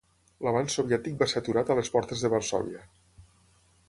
L'avanç soviètic va ser aturat a les portes de Varsòvia.